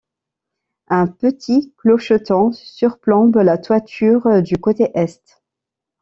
Un petit clocheton surplombe la toiture du côté est.